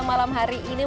malam hari ini